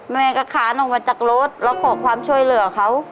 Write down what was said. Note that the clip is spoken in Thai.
แม่ก็ขานออกมาจากรถแล้วขอความช่วยเหลือเขา